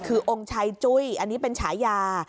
คือองค์ชัยจุ้ยอันนี้เป็นฉายา